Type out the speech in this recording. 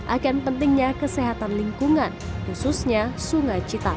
akan pentingnya kesehatan lingkungan khususnya sungai citarum